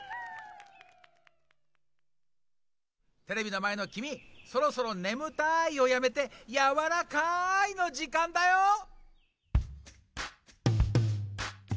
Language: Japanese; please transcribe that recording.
テレビのまえのきみそろそろねむたいをやめてやわらかいのじかんだよ！